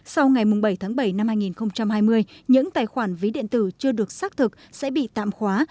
sau ngày bảy tháng bảy năm hai nghìn hai mươi những tài khoản ví điện tử chưa được xác thực sẽ bị tạm khóa